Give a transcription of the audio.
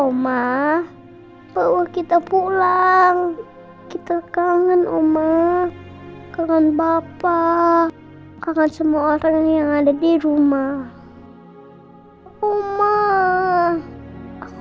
rumah bahwa kita pulang kita kangen omah keren bapak akan semua orang yang ada di rumah rumah